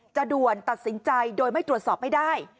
ด่วนตัดสินใจโดยไม่ตรวจสอบไม่ได้